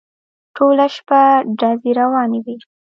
ټوله شپه ډزې روانې وې.